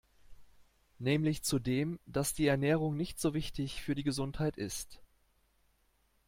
Nämlich zu dem, dass die Ernährung nicht so wichtig für die Gesundheit ist.